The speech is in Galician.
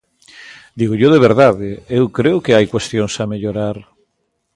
Dígollo de verdade, eu creo que hai cuestións a mellorar.